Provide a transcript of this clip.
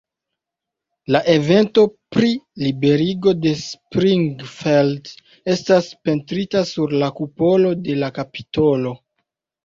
La evento pri liberigo de Springfield estas pentrita sur la kupolo de la kapitolo.